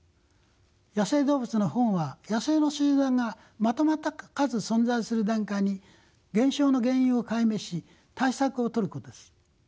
野生動物の保護は野生の集団がまとまった数存在する段階に減少の原因を解明し対策を取ることです。